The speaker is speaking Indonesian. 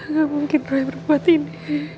gak mungkin gue yang berbuat ini